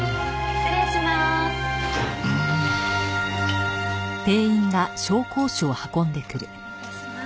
失礼致します。